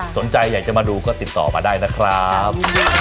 สนใจอยากจะมาดูก็ติดต่อมาได้นะครับ